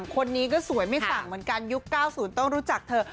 คนนี้ก็สวยไม่สั่งเหมือนกันยุค๙๐ต้องรู้จักเธอ